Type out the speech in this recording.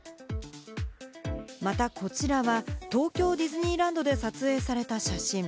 また、こちらは東京ディズニーランドで撮影された写真。